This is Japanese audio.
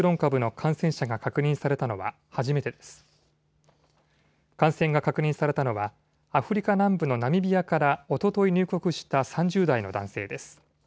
感染が確認されたのはアフリカ南部のナミビアからおととい入国した３０代の男性です。